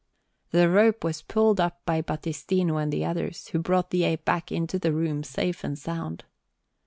The rope was pulled up by Battistino and the others, who brought the ape back into the room safe and sound.